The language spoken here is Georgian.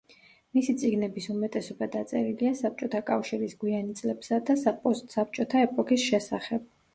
მისი წიგნების უმეტესობა დაწერილია საბჭოთა კავშირის გვიანი წლებსა და პოსტსაბჭოთა ეპოქის შესახებ.